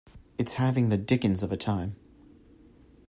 It's having the dickens of a time.